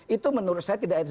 itu menurut saya tidak